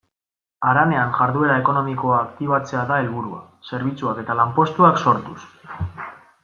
Haranean jarduera ekonomikoa aktibatzea da helburua, zerbitzuak eta lanpostuak sortuz.